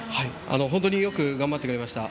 本当によく頑張ってくれました。